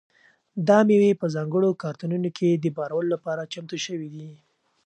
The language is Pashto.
دا مېوې په ځانګړو کارتنونو کې د بارولو لپاره چمتو شوي دي.